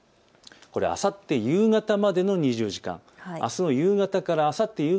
あさって夕方までの２４時間、あすの夕方からあさって